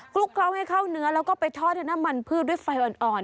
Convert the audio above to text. ลุกเคล้าให้เข้าเนื้อแล้วก็ไปทอดด้วยน้ำมันพืชด้วยไฟอ่อน